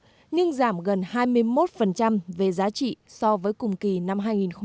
tuy nhiên một số mặt hàng xuất khẩu có sự giảm mạnh về giá trị so với cùng kỳ năm hai nghìn một mươi bảy